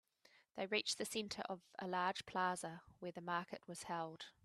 They reached the center of a large plaza where the market was held.